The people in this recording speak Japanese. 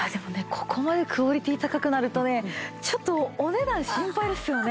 ここまでクオリティー高くなるとねちょっとお値段心配ですよね。